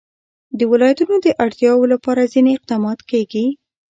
د ولایتونو د اړتیاوو لپاره ځینې اقدامات کېږي.